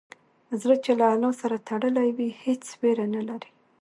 زړه چې له الله سره تړلی وي، هېڅ ویره نه لري.